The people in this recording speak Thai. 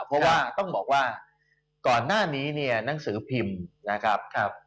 เพราะว่าต้องบอกว่าก่อนหน้านี้เนี่ยหนังสือพิมพ์นะครับ